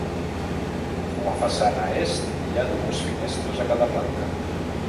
A la façana est, hi ha dues finestres a cada planta.